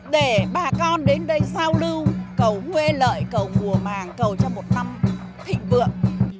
để bà con đến đây giao lưu cầu quê lợi cầu mùa màng cầu cho một năm thịnh vượng